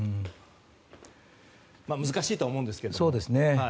難しいとは思うんですけど。